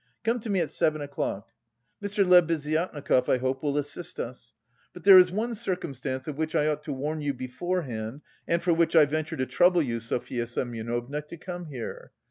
Come to me at seven o'clock. Mr. Lebeziatnikov, I hope, will assist us. But there is one circumstance of which I ought to warn you beforehand and for which I venture to trouble you, Sofya Semyonovna, to come here.